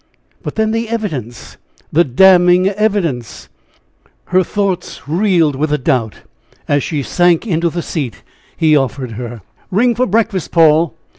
But then the evidence the damning evidence! Her reeled with the doubt as she sank into the seat he offered her. "Ring for breakfast, Paul!